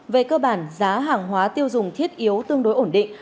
về cơ bản giá hàng hóa tiêu dùng thiết yếu tương đối ổn định